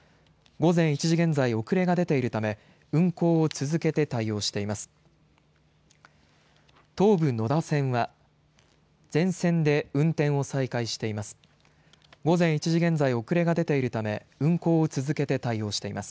午前１時現在遅れが出ているため運行を続けて対応しています。